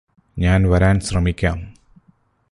ഞാന് വരാന് ശ്രമിക്കാം